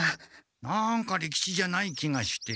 なんか利吉じゃない気がして。